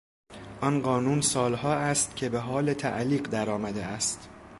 آن قانون سالها است که به حال تعلیق در آمده است.